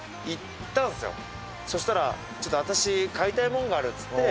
そしたら「ちょっと私買いたいものがある」っつって。